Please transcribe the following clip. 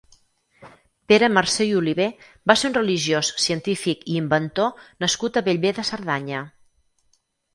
Pere Marcer i Oliver va ser un religiós, científic i inventor nascut a Bellver de Cerdanya.